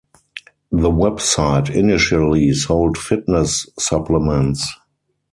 The website initially sold fitness supplements.